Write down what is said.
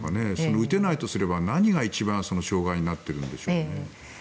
打てないとすれば何が一番障害になっているんでしょうか。